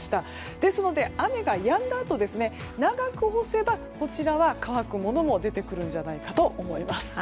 ですので、雨がやんだあと長く干せば乾くものの出てくるんじゃないかと思います。